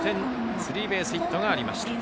スリーベースヒットがありました。